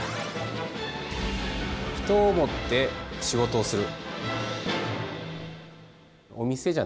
人を想って仕事をする。